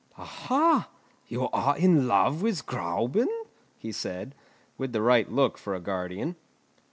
"Aha! you are in love with Gräuben?" he said, with the right look for a guardian.